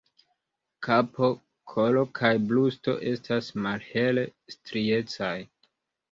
Kapo, kolo kaj brusto estas malhele striecaj.